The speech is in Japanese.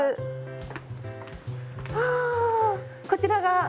あこちらが。